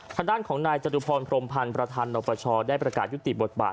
ทางด้านของนายจตุพรพรมพันธ์ประธานนปชได้ประกาศยุติบทบาท